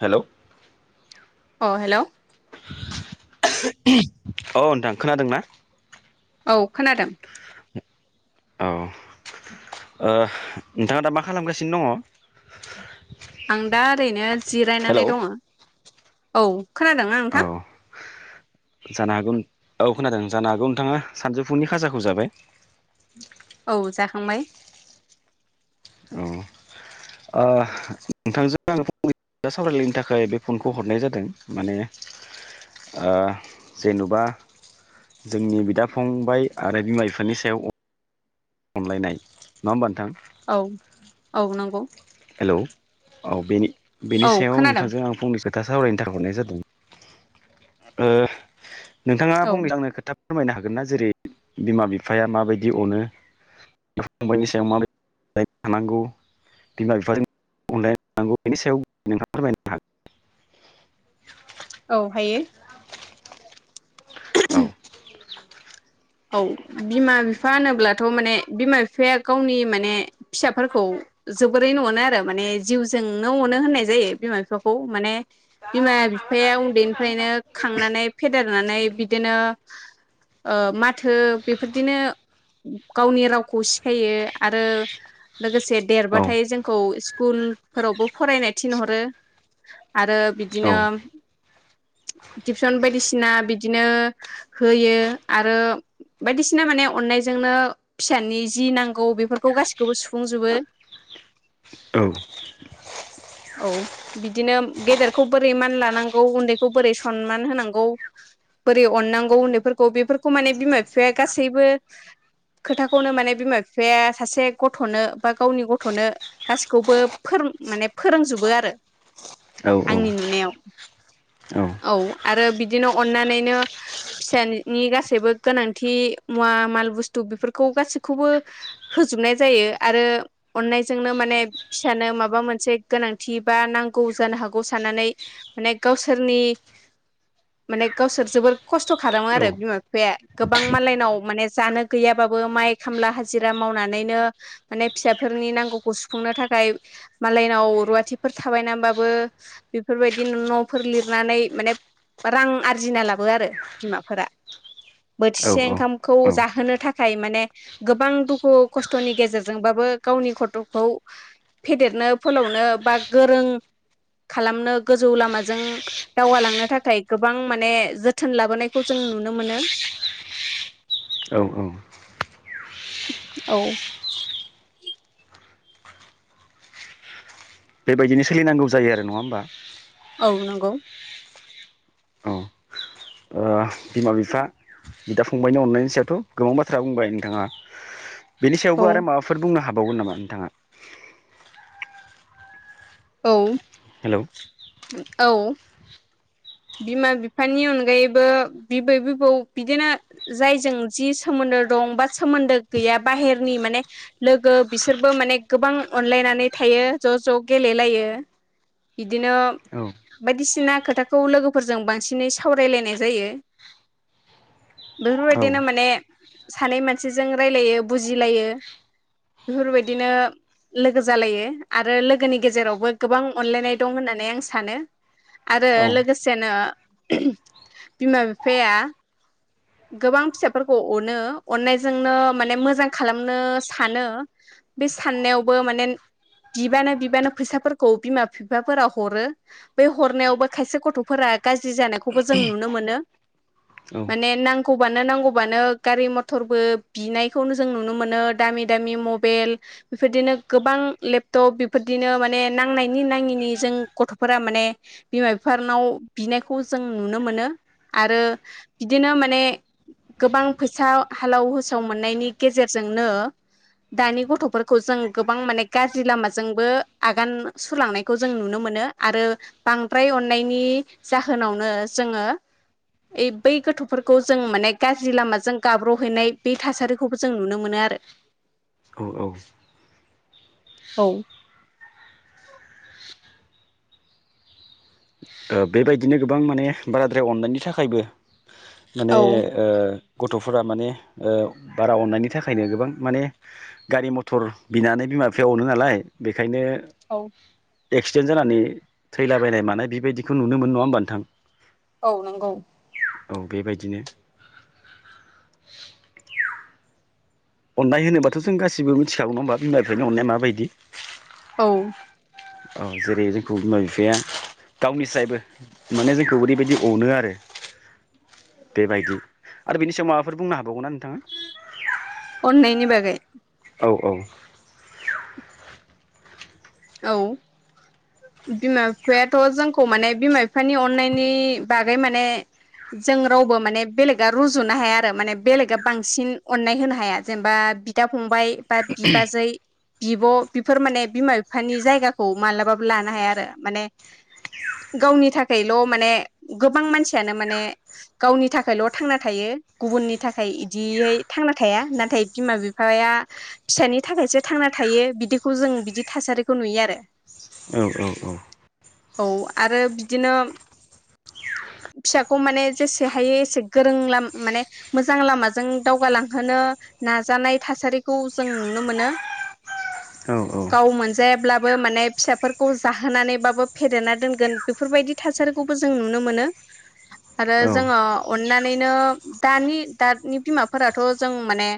हेल' अ हेल' अ नोंथां खोनादों ना? औ खोनादों। अ ओ नोंथाङा दा मा खालामगासिनो दङ? आं दा ओरैनो हेलौ जिरायनानै दङ। औ खोनादोंना औ नोंथां? जानो हागौ औ खोनादों जानो हागौ नोंथाङा सानजौफुनि खाजाखौ जाबाय। औ जाखांबाय। ओ नोंथांजों आङो फंनैसो खोथा सावरायलायनो थाखाय बे फनखौ हरनाय जादों माने ओ जेन'बा जोंनि बिदा-फंबाय आरो बिमा-बिफानि सायाव अनलायनाय नङा होमबा नोंथां? औ औ नोंगौ। हेलौ औ बेनि बेनि औ सायाव खोनादों नोंथांजों आं फंनैसो खोथा सावरायनो थाखाय हरनाय जादों ओ नोंथाङा औ फंनैसो आंनो खोथा फोरमायनो हागोन ना जेरै बिमा-बिफाया माबायदि अनो बिदा-फंबायनि सायाव माबायदि अनलायनाय थानांगौ। बिमा-बिफानि बेनि सायाव नोंथाङा फोरमायनो हागोन औ हायो। औ औ बिमा-बिफा होनोब्लाथ' माने बिमा-बिफाया गावनि माने फिसाफोरखौ जोबोरैनो अनो आरो माने जिउजोंनो अनो होननाय जायो बिमा-बिफाखौ माने बिमा-बिफाया उन्दैनिफ्रायनो खांनानै फेदेरनानै बिदिनो ओ मा थो बेफोरदिनो गावनि रावखौ सिखायो आरो लोगोसे औ देरबाथाय जोंखौ स्कुलफोरावबो फरायनाय थिनहरो आरो औ बिदिनो टिउसन बायदिसिना बिदिनो होयो आरो बायदिसिना माने अननायजोंनो फिसानि जि नांगौ बेफोरखौ गासिखौबो सुफुंजोबो। औ औ बिदिनो गेदेरखौ बोरै मान लानांगौ उन्दैखौ बोरै सनमान होनांगौ बोरै अननांगौ उन्दैफोरखौ बेफोरखौ माने बिमा बिफाया गासैबो खोथाखौनो माने बिमा-बिफाया सासे गथ'नो बा गावनि गथ'नो गासैखौबो फोर माने फोरोंजोबो आरो औ आंनि नुनायाव औ आरो बिदिनो अननानैनो फिसानि गासैबो गोनांथि मुवा माल बुस्थु बेफोरखौ गासैखौबो होजोबनाय जायो आरो अननायजोंनो माने फिसानो माबा मोनसे गोनांथि बा नांगौ जानो हागौ साननानै माने गावसोरनि माने गावसोर जोबोर खस्थ' खालामो आरो बिमा बिफाया गोबां मालायनाव माने जानो गैयाबाबो माइ खामला हाजिरा मावनानैनो माने फिसाफोरनि नांगौखौ सुफुंनो थाखाय मालायनाव रुवाथिफोर थाबायनानैबाबो बेफोरबायदि न'फोर लिरनानै माने रां आरजिना लाबो आरो बिमाफोरा बोथिसे औ ओंखामखौ औ जाहोनो थाखाय माने गोबां दुखु खस्थ'नि गेजेरजोंबाबो गावनि खथ'खौ फेदेरनो फोलावनो बा गोरों खालामनो गोजौ लामाजों दावगालांनो थाखाय गोबां माने जोथोन लाबोनायखौ जों नुनो मोनो। औ औ औ बेबायदिनो सोलिनांगौ जायो आरो नङा होमबा? औ नंगौ। बिमा-बिफा बिदा-फंबायनि अननायनि सायावथ' गोबां बाथ्रा बुंबाय नोंथाङा। बेनि सायावबो औ आरो माबाफोर बुंनो हा बावगोन नामा नोंथाङा? औ हेलौ औ बिमा-बिफानि अनगायैबो बिबै-बिबौ बिदिनो जायजों जि सोमोन्दो दं बा सोमोन्दो गैया बाहेरनि माने लोगो बिसोरबो माने गोबां अनलायनानै थायो ज' ज' गेलेलायो बिदिनो औ बायदिसिना खोथा खौ लोगोफोरजों बांसिनै सावराय लायनाय जायो औ ।बेफोरबायदिनो माने सानै मानसिजों रायलायो बुजिलायो बेफोरबायदिनो लोगो जालायो आरो लोगोनि गेजेरावबो गोबां अनलायनाय दं होननानै आं सानो ।आरो लो गोसेनो बिमा-बिफाया गोबां फिसाफोरखौ अनो अननायजोंनो माने मोजां खालामनो सानो बे साननायावबो माने बिबानो बिबानो फैसाफोरखौ बिमा-फिफाफोरा हरो बे हरनायावबो खायसे गथ'फोरा गाज्रि जानायखौबो जों नुनो मोनो औ माने नांगौबानो नांगौबानो गारि-मथरबो बिनायखौनो जों नुनो मोनो। दामि-दामि मबेइल, बेफोरदिनो गोबां लेपटप बेफोरदिनो माने नांनायनि नाङिनि जों गथ'फोरा माने बिमा-बिफानाव बिनायखौ जों नुनो मोनो आरो बिदिनो मा ने गोबां फैसा हालाव-होसाव मोननायनि गेजेरजोंनो दानि गथ'फोरखौ जों गोबां माने गाज्रि लामाजोंबो आगान सुलांनायखौ जों नुनो मोनो आरो बांद्राय अननायनि जाहोनावनो जोङो ओइ बै गथ' फोरखै जों माने गाज्रि लामाजों गाब्र'हैनाय बे थासारिखौबो जों नुनो मोनो आरो। औ औ औ ओ बेबायदिनो गोबां माने बाराद्राय अननायनि थाखायबो माने औ ओ गथ'फोरा माने ओ बारा अन्नायनि थाखायनो गोबां माने गारि-मथर बिनानै बिमा-बिफाया अनो नालाय बेखायनो औ एक्सिडेन्ट जानानै थैलाबायलनाय मानाय बिबायदि बेखौ नुनो मोनो। नङा होमबा नोंथां? औ नोंगौ। औ बेबायदिनो अननाय होनोबाथ' जों गााससिबो मिथिखागौ नङा होमबा, बिमा बिफानि अननाया माबायदि औ औ जेरै जोंखौ बिमा बिफाया गावनिसायबो माने जोंखौ ओरैबायदि अनो आरो बेबायदि आरो बिनि समायाव माबाफोर बुंनो हाबावगोना नों अननायनि बागै? औ औ औ बिमा बिफायाथ' जोंखौ माने बिमा बिफानि अननायनि बागै माने जों रावबो माने बेलेगा रुजुनो हाया आरो माने बेलेगा बांसिन अननाय होनो हाया। जेनेबा बिदा फंबाय बा बिबाजै बिब' बिफोर माने बिमा बिफानि जायगाखौ मालाबाबो लानो हाया आरो माने गावनि थाखायल' माने गोबां मानसियानो माने गावनि थाखायल' थांना थायो गुबुननि थाखाय इदियै थांना थाया । नाथाय बिमा बिफाया फिसानि थाखायसो थांना थायो बिदिखौ जों बिदि थासारि खौ नुयो आरो औ औ औ ।औ आरो बिदिनो फिसाखौ माने जेसे हायो एसे गोरों ला-माने मोजां लामाजों दावगालांहोनो नाजानाय थासारिखौ जों नुनो मोनो। औ गाव मोन जायाब्लाबो माने फिसाफोरखौ जाहोनानैबाबो फेदेरना दोनगोन बेफोरबायदि थासारिखौबो जों नुनो मोनो ।आरो औ जोङो अन्नानैनो दानि-दानि बिमाफोराथ' जों माने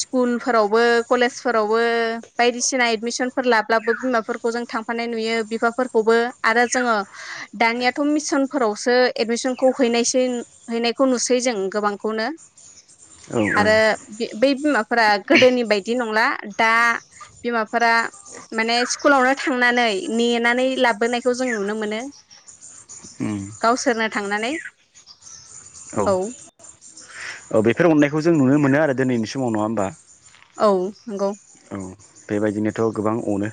स्कुलफोरावबो, कलेजफोरावबो बायदिसिना एडमिसन फोर लाब्लाबो बिमाफोरखौ जों थांफानाय नुयो बिफाफोरखौबो आरो जोङो दानियाथ' मिसनफोरावसो एदमिसनखौ हैनायसै हैनायखौ नुसै जों गोबांखौनो। औ औ आरो बै बिमाफोरा गोदोनि बायदि नंला, दा बिमाफोरा माने स्कुलावनो थांनानै नेनानै लाबबोनायखौ जों नुनो मोनो। उम गावसोरनो थांनानै ।औ औ बेफोर अननायखौ जों नुनो मोनो आरो दिनैनि समाव नङा होमबा । औ नंगौ बेबायदिनोथ' गोबां अनो ।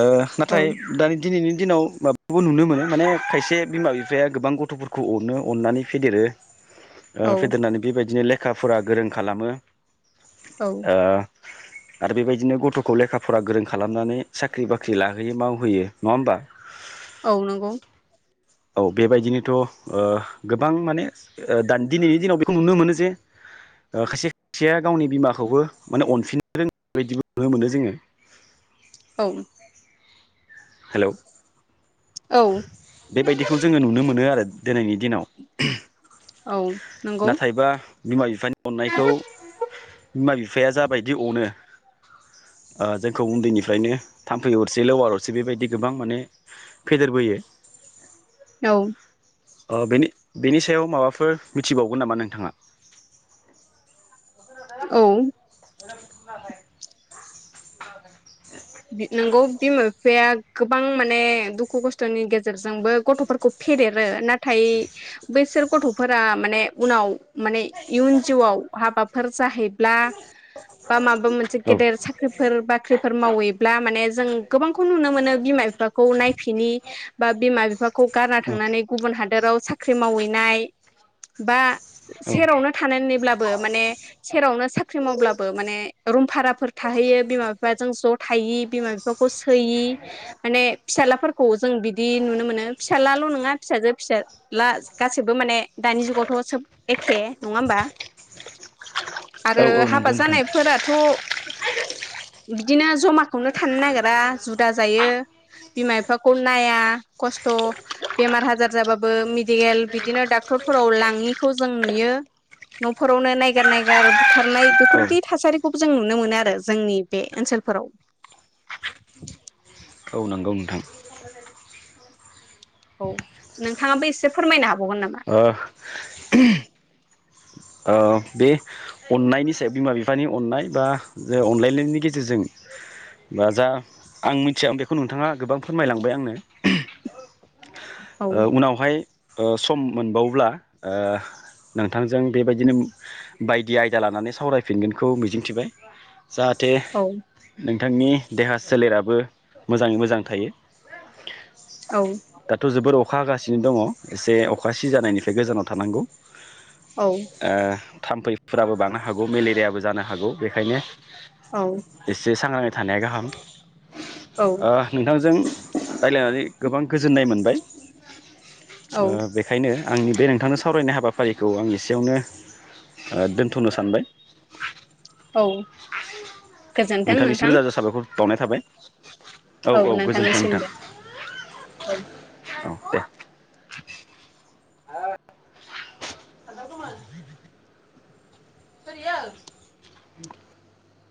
ओ औ नाथाय दानि दिनैनि दिनाव माबाखौबो नुनो मोनो माने खायसे बिमा बिफाया गोबां गथ'फोरखौ अनो अननानै फेदेरो ओ औ फेदेरनानै बेबायदिनो ले खा फरा गोरों खालामो औ ओ आरो बेबायदिनो गथ'खौ लेखा फरा गोरों खालामनानै साख्रि बाख्रि लाहोयो मावहोयो नङा होमबा । औ नंगौ औ बेबायदिनोथ' ओ गोबां माने दानि दिनैनि दिनाव बेखौ नुनो मोनो जे ओ खायसे खायसेया गावनि बिमाखौबो माने अनफिननो रोङै बायदिबो नुनो मोनो । जोङो औ हेलौ औ बेबायदिखौ जोङो नुनो मोनो आरो दिनैनि दिनाव । औ नंगौ नाथायबा बिमा बिफानि अननायखौ बिमा बि [unintelligible] जाबायदि अनो ओ जोंखौ उन्दैनिफ्रायनो थाम्फै अरसै लोवार अरसै बेबायदि गोबां माने फेदेरबोयो औ ओ बेनि बेनिसायाव माबाफोर मिथिबावगोन नामा नोंथाङा? औ [unintelligible] नोंगौ बिमा बिफाया गोबां माने दुखु खस्थ'नि गेजेरजोंबो गथ'फोरखौ फेदेरो नाथाय बैसोर गथ'फोरा माने उनाव माने इयुन जिउआव हाबाफोर जाहैब्ला बा माबा मोनसे औ गेदेर साख्रिफोर बाख्रिफोर मावै ब्ला माने जों गोबांखौ नुनो मोनो बिमा बिफाखौ नायफिनि बा बिमा बिफाखौ गारना थांनानै गुबुन हादोराव साख्रि मावहैनाय बा औ सेरावनो थानानैब्लाबो माने सेरावनो साख्रि मावब्लाबो माने रुम भाराफोर थाहैयो बिमा बिफ जों ज' थायि बिमा बिफाखौ सोयि माने फिसालाफोरखौ जों बिदि नुनो मोनो फिसालाल' नङा फिसाजो फिसाज्ला गासैबो माने दानि जुगावथ' सोब एखे नङा होमबा औ आरो औ हाबा नंगौ नोंथां जानायफोराथ' बिदिनो जमाखौनो थानो नागिरा जुदा जायो बिमा बिफाखौ नाया खस्थ' बेमार आजार जाबाबो मेडिकेल बिदिनो डाक्टरफोराव लाङिखौ जों नुयो न'फोरावनो नायगार नायगार बुथारनाय औ बेफोरदि थासारिखौबो जों नुनो मोनो आरो जोंनि बे ओनसोलफोराव औ नंगौ नोंथां औ नोंथाङाबो एसे फोरमायनो हाबावगोन नामा? ओ ओ बे अननायनि सायाव बिमा बिफानि अननाय बा जे अनलायनायनि गेजेरजों बा जा आं मिथिया आ बेखौ नोंथाङा गोबां फोरमायलांबाय आंनो औ ओ उनावहाय ओ सम मोनबावब्ला ओ नोंथांजों बेबायदिनो बायदि आयदा लानानै सावरायफिनगोनखौ मिजिंथिबाय जाहाथे औ नों थांनि देहा सोलेराबो मोजाङै मोजां थायो औ दाथ' जोबोर अखा हागासिनो दङ एसे अखा सि जानायनिफ्राय गोजानाव थानांगौ औ ओ थाम्फैफोराबो बांनो हागौ मेलेरियाबो जानो हागौ बेखायनो औ एसे सांग्रा थानाया गाहाम औ ओ नोंथांजों रायलायनानै गोबां गोजोननाय मोनबाय औ ओ बेखायनो आंनि बे नोंथांनो सावरायनाय हाबाफारिखौ आं एसेयावनो ओ दोनथ'नो सानबाय औ गोजोन्थों नोंथांनिसम नोंथां रोजा रोजा साबायखर बावनाय थाबाय औ नोंथांनिसिमबो औ [unintelligible] [unintelligible]